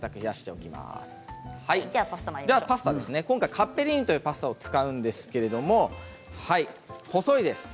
カッペリーニというパスタを使うんですけれども細いです。